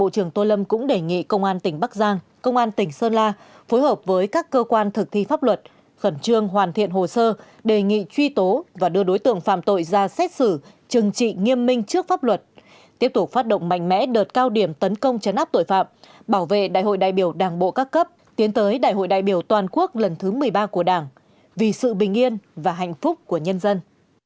công an tỉnh bắc giang công an tỉnh sơn la phối hợp với các cơ quan thực thi pháp luật khẩn trương hoàn thiện hồ sơ đề nghị truy tố và đưa đối tượng phạm tội ra xét xử chừng trị nghiêm minh trước pháp luật tiếp tục phát động mạnh mẽ đợt cao điểm tấn công chấn áp tội phạm bảo vệ đại hội đại biểu đảng bộ các cấp tiến tới đại hội đại biểu toàn quốc lần thứ một mươi ba của đảng vì sự bình yên và hạnh phúc của nhân dân